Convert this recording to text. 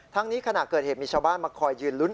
นี้ขณะเกิดเหตุมีชาวบ้านมาคอยยืนลุ้น